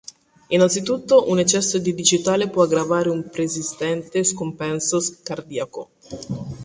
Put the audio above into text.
Innanzitutto un eccesso di digitale può aggravare un preesistente scompenso cardiaco.